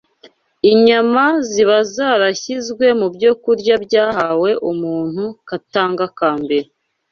inyama ziba zarashyizwe mu byokurya byahawe umuntu katanga ka mbere.